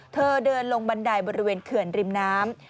เธอเดินลงบันไดบริเวณเขื่อนริมน้ำ